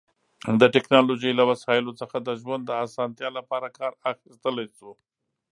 د ټیکنالوژی له وسایلو څخه د ژوند د اسانتیا لپاره کار اخیستلی شو